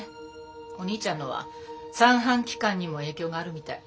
お兄ちゃんのは三半規管にも影響があるみたい。